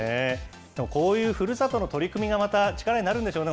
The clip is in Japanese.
こういうふるさとの取り組みがまた、力になるんでしょうね、